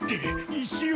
石を。